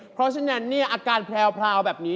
เพราะฉะนั้นเนี่ยอาการแพรวแบบนี้